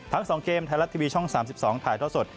ทั้ง๒เกมไทยรัตน์ทีวีช่อง๓๒ถ่ายท่อสด